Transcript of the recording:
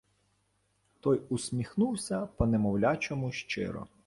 Той усміхнувся по-немовлячому щиро.